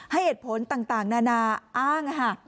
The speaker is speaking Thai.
เหตุผลต่างนานาอ้างค่ะ